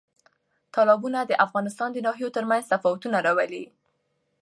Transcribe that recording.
تالابونه د افغانستان د ناحیو ترمنځ تفاوتونه راولي.